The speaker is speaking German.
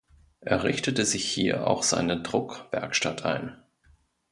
Er richtete sich hier auch seine Druckwerkstatt ein.